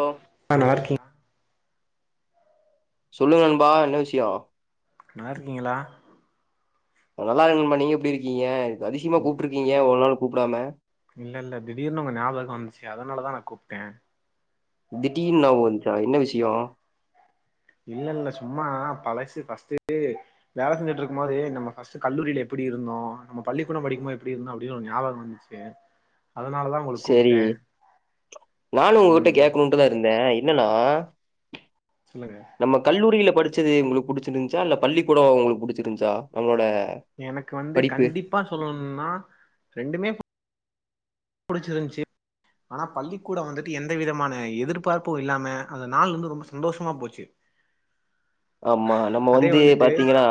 ஓ அ நல்லா இருக்கியா சொல்லு நண்பா என்ன விஷ்யோ நா இர்க்கீங்களா அ நல்லா இருங்க நண்பா நீங்க எப்டி இருக்கீங்க அதிசியமா கூப்ட்டு இருக்கீங்க இவ்ளோ நாள் கூப்டாம இல்ல இல்ல திடீர்னு உங்க ஞாபகம் வந்ச்சி அதனாலதா நா கூப்ட்டே திடீன் ஞாபகோ வந்துசா என்ன விஷ்யோ இல்ல இல்ல சும்மா பழசு ஃபஸ்ட்டு வேல செஞ்சிட்டு இருக்கு போது நம்ம ஃபஸ்ட் கல்லூரியில எப்டி இருந்தோ நம்ம பள்ளிக்கூடோ படிக்குமோ எப்டி இருந்தோ அப்டின் ஒரு ஞாபகோ வந்ச்சி க்கு அதனாலதா உங்களுக்கு சேரி கூப்ட்டே நானு உங்ககிட்ட ம் கேக்ணுட்டுதா இருந்தே என்னன்னா சொல்லுங்க நம்ம கல்லூரியில படிச்சது உங்களுக்கு புடிச்சிருந்ச்சா இல்ல பள்ளிக்கூடோ உங்களுக்கு புடிச்சிருந்ச்சா நம்மளோட எனக்கு வந்து படிப்பு கண்டிப்பா சொல்னுன்னா ரெண்டுமே புடிச்சிருந்ச்சி ஆனா பள்ளிக்கூடோ வந்துட்டு எந்த விதமான எதிர்பார்ப்பு இல்லாம அந்த நாள் வந்து ரொம்ப சந்தோஷமா போச்சி [inaudible] ஆமா நம்ம வந்து வந்துட்டு பாத்தீங்கன்னா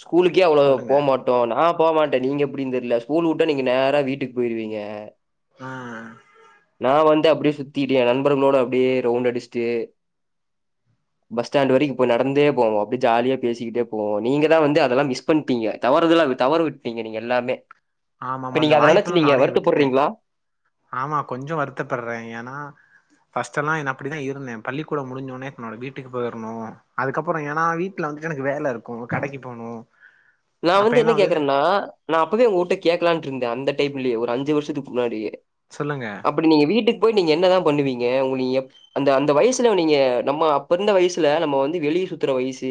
ஸ்கூலுக்கே அவ்ளவா சொல்லுங்க போகமாட் சோ நா போமாட்டே நீங்க எப்டினு தெரியல ஸ்கூல் விட்டா நீங்க நேரா வீட்டுக்கு போயிருவீங்க ஆ நா வந்து அப்டியே சுத்திட்டே நண்பர்களோட அப்டியே ரவுண்ட் அடிச்ட்டு பஸ் ஸ்டாண்ட் வரைக்கு இப்போ நடந்தே போவோ அப்டியே ஜாலியா பேசிக்கிட்டே போவோ நீங்கதா வந்து அதெல்லா மிஸ் பண்ணிப்பீங்க தவருதலா தவறு விட்டுப்பீங்க நீங்க எல்லாமே ஆமாமா இப்ப அந்த நீங்க அத நெனைச்சி வாய்ப்பெல்லா நீங்க நானே வருத்த விட்டுட்டே படுறீங்களா ஆமா கொஞ்சோ வருத்தப்படுறே ஏன்னா ஃபர்ஸ்ட் எல்லா என்ன அப்டிதா இருந்தே பள்ளிக்கூட முடிஞ்ச ஒன்னே என்னோட வீட்டுக்கு போயிறணு அதுக்கப்பறோ ஏன்னா வீட் ல வந்துட்டு எனக்கு வேல இருக்கு கடைக்கு போனு நா வந்து என்ன கேக்குறேன்னா நா அப்பவே உங்ககிட்ட கேக்கலான்ட்ருந்தே அந்த டைம்லயே ஒரு அஞ்சி வருஷத்துக்கு முன்னாடியே சொல்லுங்க அப்டி நீங்க வீட்டுக்கு போய் நீங்க என்னதா பண்ணுவீங்க உங்களுக்கு எப் அந்த அந்த வயசுல நீங்க நம்ம அப்ப இருந்த வயசுல நம்ம வந்து வெளிய சுத்துற வயசு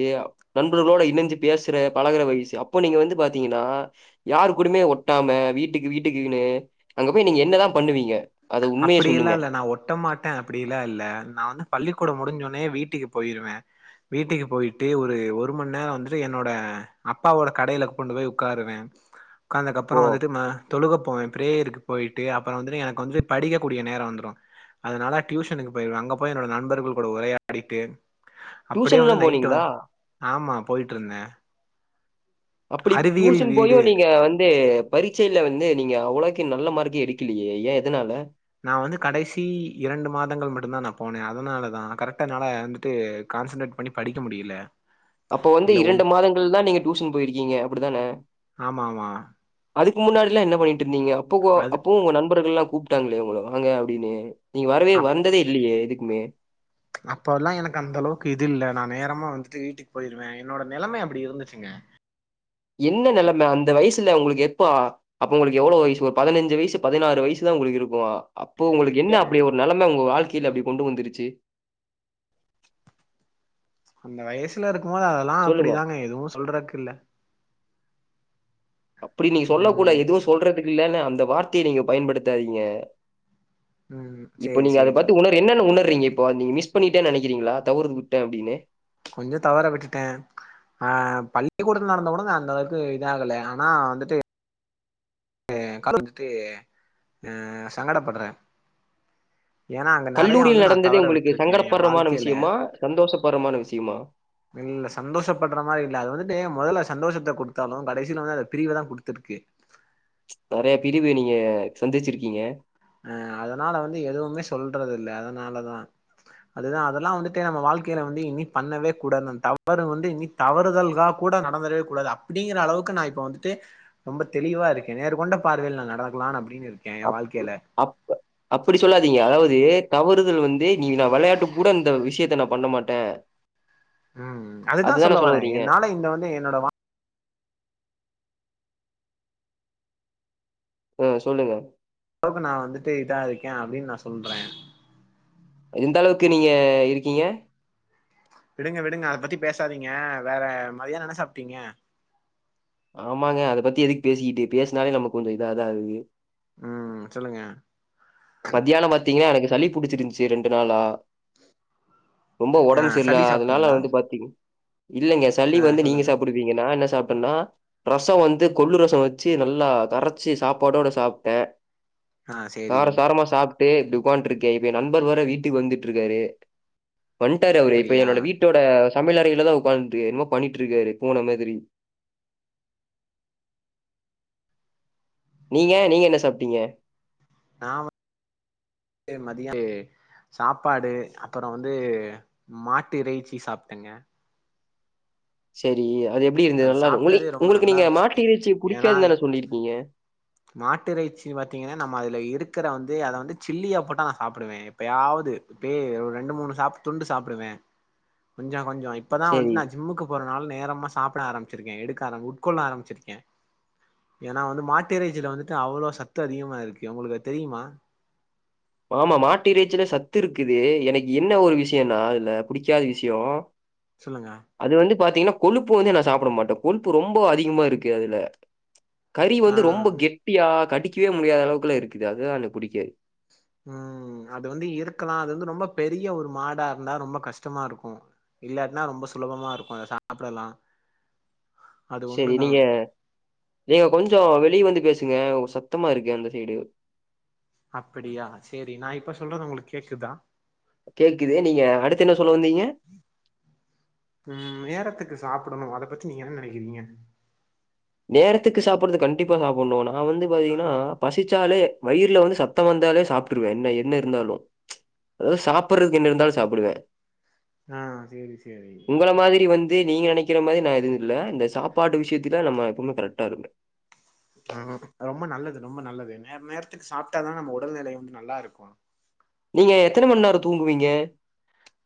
நண்பர்களோட இணஞ்சி பேசுற பழகுற வயசு அப்போ நீங்க வந்து பாத்தீங்கன்னா யாரு கூடயுமே ஒட்டாம வீட்டுக்கு வீட்டுக்குன்னு அங்க போய் நீங்க என்னதா பண்ணுவீங்க அத உண்மைய அப்டி எல்லா சொல்லுங்க இல்ல நா ஒட்ட மாட் டே அப்டி எல்லா இல்ல நா வந்து பள்ளிக்கூட முடிஞ்ச ஒன்னே வீட்டுக்கு போயிருவே வீட்டுக்கு போயிட்டு ஒரு ஒரு மணி நேரோ வந்துட்டு என்னோட அப்பாவோட கடையில கொண்டு போய் உக்காருவே இப்போ ஒக்காந்தகப்பறோ வந்துட்டு தொழுக போவே பிரேயருக்கு போயிட்டு அப்பறோ வந்துட்டு எனக்கு வந்துட்டு படிக்க கூடிய நேரோ வந்துரு அதனால டியூஷனுக்கு போயிருவே அங்க போய் என்னோட நண்பர்கள் கூட உரையாடிட்டு அப்டியே டியூஷன்லா வந்து நைட்டு போனீங்களா? வந் ஆமா போய்ட்டுருந்தே அப்டி டியூஷன் போயு வீடு நீங்க வந்து பரட்சையில வந்து நீங்க அவ்ளக்கு நல்ல மார்க்கே எடுக்கலையே ஏ எதனால நா வந்து கடைசி இரண்டு மாதங்கள் மட்டுந்தா நா போனே அதனால தா கரெக்டா என்னால வந்துட்டு கான்சன்ட்ரேட் பண்ணி படிக்க முடியல அப்ப வந்து இல்ல ஒன் இரண்டு மாதங்கள் தா நீங்க டியூஷன் போயிருக்கீங்க அப்டிதான ஆமா ஆமா அதுக்கு முன்னாடில்லா என்ன பண்ணிட்டு இருந்தீங்க அப்போ அது அப்பவு உங்க நண்பர்கள்ல்லா கூப்ட்டாங்களே உங்கள வாங்க அப்டின்னு நீங்க வரவே வந்ததே இல்லையே எதுக்குமே அப்ப எல்லா எனக்கு அந்த அளவுக்கு இது இல்ல நா நேரமா வந்துட்டு வீட்டுக்கு போயிருவே என்னோட நெலமை அப்டி இருந்துச்சிங்க என்ன நெலமை அந்த வயசுல உங்களுக்கு எப்ப அப்ப உங்களுக்கு எவ்வளவு வயசு ஒரு பதினஞ்சி வயசு பதினாறு வயசுதா உங்களுக்கு இருக்கு அப்போ உங்களுக்கு என்ன அப்டி ஒரு நெலம உங்க வாழ்க்கையில அப்டி கொண்டு வந்துருச்சி அந்த வயசுல இருக்கும் போது அதெல்லா சொல்லுங்க. அப்டிதாங்க எதுவு சொல்றக்கு இல்ல அப்டி நீங்க சொல்ல ம் கூடாது எதுவு சொல்றதுக்கு இல்லன்னு அந்த வார்த்தையை நீங்க பயன்படுத்தாதீங்க ம் இப்ப சேரி நீங்க அத சேரி பத்தி உணந் என்னன்னு உணர்றீங்க இப்போ நீங்க மிஸ் பண்ணிட்டே நெனைக்கிறீங்களா தவறு விட்டே அப்டின்னு கொஞ்சோ தவற விட்டுட்டே ஆ பள்ளிக்கூடத்துல நடந்த கூட நா அந்த அளவுக்கு இது ஆகல ஆனா வந்துட்டு கலந்துட்டு ஆ சங்கடப்படுறே ஏன்னா அங்க நெறையா கல்லூரியில் வந்து நா தவற விட்டுருக்கே ஏ வாழ்க்கேல சந்தோஷப்பட்றமான விஷயமா இல்ல சந்தோஷப்பட்ற மாரி இல்ல அது வந்துட்டு மொதல்ல சந்தோஷத்த குடுத்தாலு கடசில வந்து அந்த பிரிவதா குடுத்துருக்கு நெறைய பிரிவு நீங்க சந்திச்சிருக்கீங்க அ அதனால வந்து எதுவுமே சொல்றதில்ல அதனாலதா அதுதா அதெல்லாம் வந்துட்டு நம்ம வாழ்க்கைல வந்து இனி பண்ணவே கூடாதுன்னு தவறு வந்து இனி தவறுதல்காக கூட நடந்துடவே கூடாது அப்டிங்குற அளவுக்கு நா இப்ப வந்துட்டு ரொம்ப தெளிவா இருக்கேன் நேர் கொண்ட பார்வைல நா நடக்கலாம்னு அப்டின்னு இருக்கே‌ ஏ வாழ்கைல அப் அப்டி சொல்லாதீங்க அதாவ்து தவறுதல் வந்து நீ நா வெளையாட்டு கூட இந்த விஷயத்த நா பண்ண மாட்டே உம் அதுதா அதுதான சொல்ல வரே வரீங்க என்னால இந்த வந்து என்னோட வா உம் சொல்லுங்க நோக்கு நா வந்துட்டு இதான் இருக்கே அப்டின்னா நா சொல்றே எந்த அளவுக்கு நீங்க இருக்கீங்க விடுங்க விடுங்க அத பத்தி பேசாதீங்க வேற மதியானொ என்ன சாப்ட்டீங்க ஆமாங்க அத பத்தி எதுக்கு பேசிக்கிட்டு பேசனாலே நமக்கு கொஞ்சோ இதாதா ஆகுது உம் சொல்லுங்க மத்தியானோ பாத்தீங்ன்னா எனக்கு சளி புடிச்சிருந்துச்சு ரெண்டு நாளா ரொம்ப ஆ ஒடம்பு சரியில்ல சளி அத்னால சாப்ட்டீங்களா வந்து பாத்தீங் இல்லங்க தள்ளி ஆ வந்து நீங்க சொல்லுங்க சாப்பிடுவீங்க நா என்னா சாப்ட்டேன்னா ரசோ வந்து கொல்லு ரசோ வச்சு நல்லா கரச்சி சாப்பாடோட சாப்ட்டே ஆ சேரி சும்மா சாப்ட்டு இப்டி ஒக்காண்டுருக்கே இப்ப நண்பர் வேற வீட்டுக்கு வந்துட்டுருக்காரு வண்ட்டாரு அவரு இப்ப அப்டியா என்னோட வீட்டோட சமையல் அறையில தா ஒக்காண்டு என்னமோ பண்ணிட்டு இருக்காரு பூன மாத்ரி நீங்க நீங்க என்ன சாப்ட்டீங்க நா வ து மதியோ வந்து சாப்பாடு அப்புறோ வந்து மாட்டு இறைச்சி சாப்ட்டேங்க சரி அது எப்டி இருந்தது அது நல்லா மொழி சாப்ட்டதே ரொம்ப உங்களுக்கு நல்லா நீங்க இருந்துச்சு மாட்டு இறைச்சி ஏன்னா புடிக்காது தானே சொல்லிருக்கீங்க மாட்டு இறைச்சின் பாத்தீங்ன்னா நம்ம அதுல இருக்குற வந்து அத வந்து சில்லியா போட்டா நா சாப்டுவே எப்பயாவ்து இப்பயே ரெண்டு மூணு சாப் துண்டு சாப்பிடுவே கொஞ்சோ கொஞ்சோ இப்பதா வந்து செரி நா ஜிம்முக்கு போற நாள நேரமா சாப்ட ஆரம்பிச்சிருக்கேன் எடுக்க ஆர உட்கொள்ள ஆரம்பிச்சிருக்கேன் ஏ வந்து மாற்றி மட்டறைச்சில வந்துட்டு அவ்ளோ சத்து அதிகமா இருக்கு உங்களுக்கு அது தெரியுமா ஆமா மாட்டு இறைச்சில சத்து இருக்குது எனக்கு என்ன ஒரு விஷ்யோன்னா இதுல புடிக்காத விஷ்யோ சொல்லுங்க அது வந்து பாத்தீங்கன்னா கொழுப்பு வந்து நா சாப்ட மாட்டே கொழுப்பு ரொம்ப க அதிகமாருக்கு அதுல கறி ஆ வந்து ரொம்ப கெட்டியா கடிக்கவே முடியாத அளவுக்கெல்லா இருக்குது அதுதான் எனக்கு புடிக்காது உம் அது வந்து இருக்கலா அது வந்து ரொம்ப பெரிய ஒரு மாடா இருந்தா ரொம்ப கஷ்டமாருக்கு இல்லாட்டன்னா ரொம்ப சுலபமாருக்கும் அத சாப்டலா அது செரி ஒண்ணுதா நீங்க நீங்க கொஞ்சோ வெளிய வந்து பேசுங்க உங் சத்தமாருக்கு அந்த சைடு அப்டியா செரி நா இப்ப சொல்றது உங்களுக்கு கேக்குதா கேக்குது நீங்க அடுத்து என்ன சொல்ல வந்தீங்க உம் நேரத்துக்கு சாப்டணு அத பத்தி நீங்க என்ன நெனக்கிறீங்க நேரத்துக்கு சாப்ட்றது கண்டிப்பா சாப்டணு நா வந்து பாத்தீங்ன்னா பசிச் சாலே வயிற்ல வந்து சத்தோ வந்தாலே சாப்ட்டுருவே என்ன என்ன இருந்தாலு அதாவ்து சாப்ட்டுறதுக்கு என்ன இருந்தாலு சாப்டுவே ஆ சேரி சேரி உங்கள மாதிரி வந்து நீங்க நெனைக் க்கிற மாதிரி நான் எதுவு இல்ல இந்த சாப்பாட்டு விஷ்யத்துல நம்ம எப்பவுமே கரக்டா இருப்பே ஆ ரொம்ப நல்லது ரொம்ப நல்லது நே நேரத்துக்கு சாப்ட்டாதா நம்ம உடல்நிலை வந்து நல்லா இருக்கு நீங்க எத்தன மண் நேரோ தூங்குவீங்க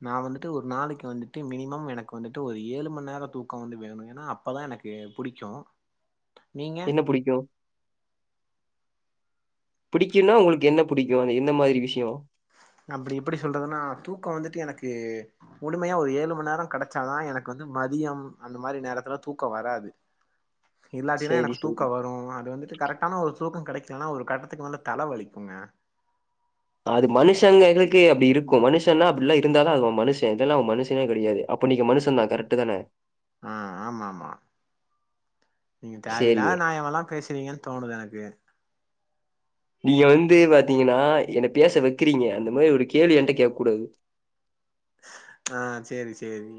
நா வந்துட்டு ஒரு நாளைக்கு வந்துட்டு மினிமம் எனக்கு வந்துட்டு ஒரு ஏழு மண் நேரம் தூக்கம் வந்து வேணு ஏன்னா அப்பதா எனக்கு புடிக்கு நீங்க என்ன புடிக்கு புடிக்குன்னா உங்களுக்கு என்ன புடிக்கு எந்த மாரி விஷ்யோ அப்டி எப்டி சொல்றதுன்னா தூக்கோ வந்துட்டு எனக்கு முழுமையா ஒரு ஏழு மண் நேரோ கெடச்சாதா எனக்கு வந்து மதியம் அந்த மாரி நேரத்துல தூக்கோ வராது இல்லாட்டினா சரி, எனக்கு சரி. தூக்கோ வரு அது வந்துட்டு கரெக்ட் ஆனா ஒரு தூக்கோ கெடைக்கலன்னா ஒரு கட்டத்துக்கு வந்து தல வலிக்குங்க அது மனுஷங்களுக்கு அப்டி இருக்கு மனுஷன்னா அப்டில்லா இருந்தாத அது மனுஷ இல்லனா அவ மனுஷனே கெடையாது அப்போ நீங்க மனுசன் தா கரட்டு தான அ ஆமா ஆமா நீங்க தேவயில்லாத சரிங்க. நாயோமெல்லா பேசுவீங்கன்னு தோணுது எனக்கு நீங்க வந்து பாத்தீங்கன்னா என்ன பேச வைக்கிறீங்க அந்த மாரி ஒரு கேள்வி என்ட்ட கேக்க கூடாது ஆ சரி சரி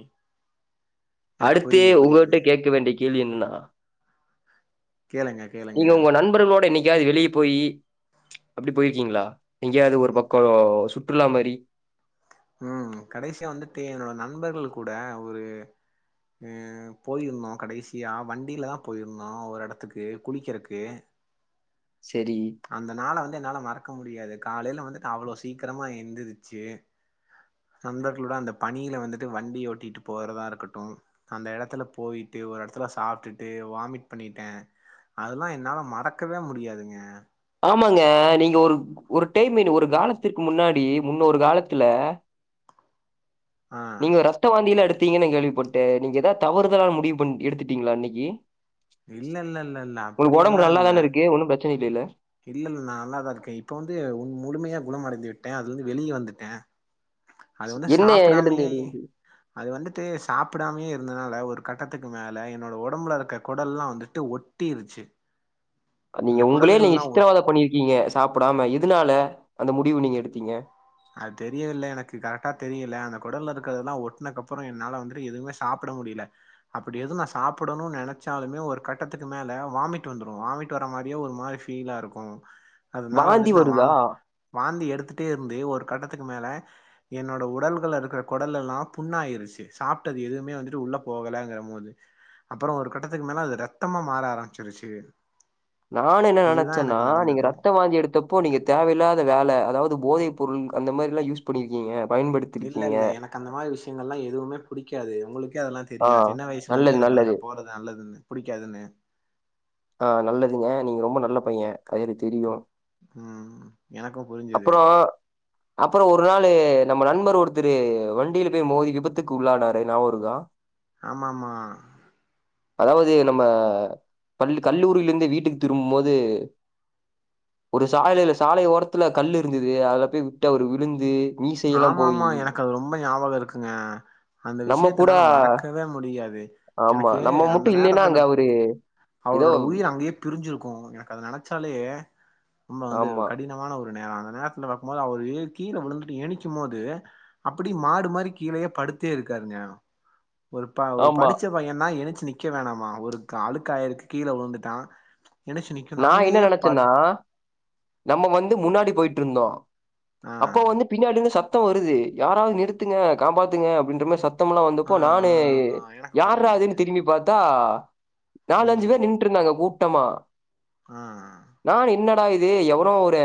அடுத்து உங்கட்ட கேக்க வேண்டிய கேள்வி என்னன்னா கேளுங்க கேளுங்க நீங்க உங்க நண்பர்களோட என்னைக்காவது வெளியே போயி அப்டி போய்ருகீங்களா எங்கயாவது ஒரு பக்கோ சுற்றுலா மாரி ம் கடைசியா வந்துட்டு என்னோட நண்பர்கள் கூட ஒரு ஆ போயிருந்தோ கடைசியா வண்டியில த போயிருந்தோ ஒரு எடத்துக்கு குளிக்கறக்கு சரி அந்த நாள வந்து என்னால மறக்க முடியாது காலைல வந்து நா அவ்ளோ சீக்கிரமா எந்திருச்சி நண்பர்களோட அந்த பனியில வந்துட்டு வண்டி ஓட்டிட்டு போறதா இருக்கட்டு அந்த எடத்துல போயிட்டு ஒரு எடத்துல சாப்ட்டுட்டு வாமிட் பண்ணிட்ட அதெல்லா என்னால மறக்கவே முடியாதுங்க ஆமாங்க நீங்க ஒரு ஒரு டைம் என்ன ஒரு காலத்திற்கு முன்னாடி முன்னொரு காலத்துல ஆ நீங்க ரத்த வாந்தியெல்லா எடுத்தீங்கனு நா கேள்விபட்ட நீங்க எதா தவறுதலான முடிவு பண் எடுத்துட்டீங்களா அன்னக்கி இல்ல இல்ல இல்ல இல்ல ஒனக்கு ஒடம்பு நல்லாதான இருக்கு ஒன்னு பிரச்சன இல்லைல்ல இல்லல்ல நா நல்லாதா இருக்க இப்ப வந்து உன் முழுமையா குணம்மடைந்து விட்ட அதுலந்து வந்து வெளிய வந்துட்ட அது வந்து என்ன இதுல இருந்து சாப்டாமையே அது வந்துட்டு சாப்டாமயே இருந்ததுனால ஒரு கட்டத்துக்கு மேல என்னோட உடம்புல இருக்க கொடல்லா வந்துட்டு ஒட் டிருச்சி நீங்க அந்த ஒங்களயே நீங்க குடல்கள்லாம் சித்திரவாத பண்ணிருக்கீங்க சாப்டாம எதுனால அந்த முடிவு நீங்க எடுத்தீங்க அது தெரியவில்ல எனக்கு கரெக்டா தெரியல ஆனா கொடல்ல இருக்கரதெல்லா ஒட்னக்கப்புறோ என்னால வந்துட்டு எதுமே சாப்ட முடியல அப்டி எது நா சாப்டணுன் நெனைச்சாலுமே ஒரு கட்டத்துக்கு மேல வாமிட் வந்துரு வாமிட் வர மாரியே ஒரு மாரி ஃபீலா இருக்கு அதனால வாந்தி வந்துட்டு நா வா வருதா வாந்தி எடுத்துட்டேருந்து ஒரு கட்டத்துக்கு மேல என்னோட உடல்கள இருக்கற கொடலெல்லா புண்ணாயிருச்சி சாப்ட்டது எதுவுமே வந்துட்டு உள்ள போகலங்கறபோது அப்றோ ஒரு கட்டத்துக்கு மேல அது ரத்தமா மாற ஆரம்பிச்சிருச்சு நானு என்ன இதுதா நெனச்சேன்னா எனக்கு நீங்க நடந்தது ரத்த வாந்தி எடுத்த ப்போ நீங்க தேவையில்லாத வேல அதாவது போதை பொருள் அந்த மாரில்லா யூஸ் பண்ணிருக்கீங்க பயன்படுத் இல்ல இல்ல எனக்கு அந்த மாரி விஷயங்கல்லா எதுவுமே புடிக்காது உங்களுக்கே அதெல்லா ஆ தெரியு சின்ன வயசுலேந்து நல்லது எனக்கு அதுல நல்லது போறது நல்லதுன்னு புடிக்காதுன்னு ஆ நல்லதுங்க நீங்க ரொம்ப நல்ல பையேன் அது எனக்கு தெரியு ம் எனக்கு புரிஞ்சுது அப்பறோ ஒரு நாளு நம்ம நண்பர் ஒருத்தரு வண்டியில போய் மோதி விபத்துக்கு உள்ளானாரு ஞாபக இருக்கா ஆமாமா அதாவ்து நம்ம பள் கல்லூரியிலருந்தே வீட்டுக்கு திரும்புமோது ஒரு சாலையில சாலை ஓரத்துல கல்லுருந்தது அதுல போய் விட்டு அவுரு விழுந்து மீசையெல்லா ஆமாமா போயி எனக்கு அது ரொம்ப ஞாபகோ இருக்குங்க அந்த நம்ம விஷ்யத்த கூட என்னால மறக் கவே முடியாது ஆமா எனக்கு நம்ம அந்த மட்டு இல்லைன்னா நேரத்துல அங்க அவரு ஏதோ அவ்ரோட உயிர் அங்கே பிரிஞ்சிருக்கு எனக்கு அத நெனச்சாலே ரொம்ப வந்து ஆமா கடினமான ஒரு நேரோ அந்த நேரத் துல பாக்கும்போது அவ்ரு கீழ விழுந்து [unintelligible] நெனைக்கு போது அப்டி மாடு மாறி கீழயே படுத்தே இருக்காருங்க ஒரு ப ஒரு ஆமா படிச்ச பையனா ஏழுச்சு நிக்க வேணாமா ஒரு க அழுக்கயிருக்கு கீழ வுழுந்துட்டா எழுச்சு நிக்கனு நா என்ன அங்கேயே படு நெனைச்சேன்னா நம்ம வந்து முன்னாடி போய்ட்டுருந்தோ ஆ அப்போ வந்து பின்னாடிருந்து சத்தோ வருது யாராவ்து நிறுத்துங்க காப்பாத்துங்க அப்டின்ற மாரி சத் தோமேலா ஆ வந்தப்போ ஆ நானு ஆ எனக்கு புரிஞ்சுது யார்றாதுன்னு திரும்பி பாத்தா நால் அஞ்சு ம் பேர் நின்னுட்ருந்தாங்க கூட்டமா ஆ ஆ நானு என்னடா இது எவ்னோ ஒரு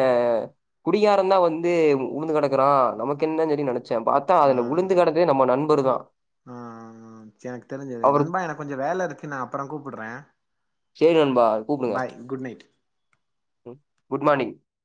குடிகார தா வந்து உ உழுந்து கடக்குறா நமக்கு என்னன்னு சொல்லி நெனச்சே பாத் தா அதுல உழுந்து கெடந்ததே நம்ம நண்பர் தா ஆ ஆ ம் சே எனக்கு தெரிஞ்சது அவரு நண்பா எனக்கு கொஞ்சோ வேலருக்கு நா அப்பறோ கூப்ட்றே செரி நண்பா கூப்புடுங் பாய் குட் நைட் ம் குட் மார்னிங்